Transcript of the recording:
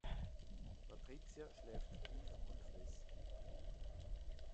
Patricia schläft tief und fest.